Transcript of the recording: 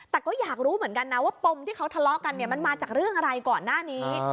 แต่ก็อยากรู้เหมือนกันนะว่าปมที่เขาทะเลาะกันเนี่ยมันมาจากเรื่องอะไรก่อนหน้านี้